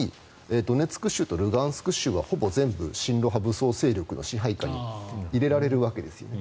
ドネツク州とルガンスク州がほぼ全部親ロ派武装勢力の支配下に入れられるわけですね。